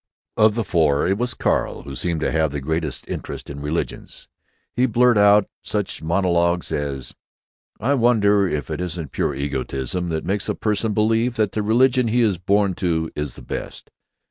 Of the four it was Carl who seemed to have the greatest interest in religions. He blurted out such monologues as, "I wonder if it isn't pure egotism that makes a person believe that the religion he is born to is the best?